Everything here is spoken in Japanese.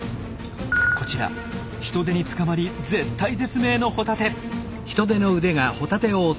こちらヒトデに捕まり絶体絶命のホタテ。